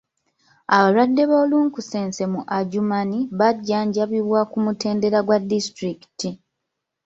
Abalwadde b'olunkusense mu Adjumani bajjanjabibwa ku mutendera gwa disitulikiti.